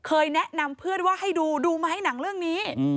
เคยแนะนำเพื่อนว่าให้ดูดูมาให้หนังเรื่องนี้